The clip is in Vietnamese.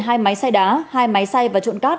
hai máy xay đá hai máy xay và trộn cát